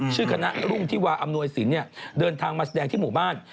ชื่อคณะรุงทิวาอำนวยศิลป์เนี่ยเดินทางมาแสดงที่หมู่บ้าน